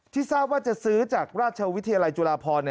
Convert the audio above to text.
ทราบว่าจะซื้อจากราชวิทยาลัยจุฬาพร